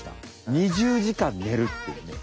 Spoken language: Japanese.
２０時間ねるっていうね